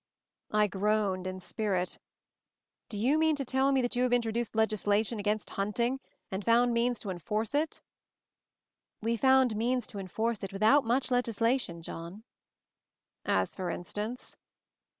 I groaned in spirit. "Do you mean to tell me that you have introduced legislation against hunting, and found means to enforce it?" MOVING THE MOUNTAIN 149 "We found means to enforce it without much legislation, John." As for instance?"